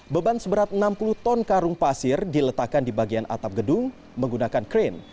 beban seberat enam puluh ton karung pasir diletakkan di bagian atap gedung menggunakan krain